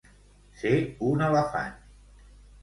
Ser un elefant.